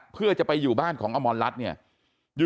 เพื่อจะไปอยู่บ้านของอมรรัฐเนี่ย